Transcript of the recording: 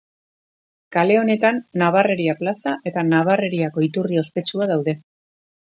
Kale honetan Nabarreria plaza eta Nabarreriako iturri ospetsua daude.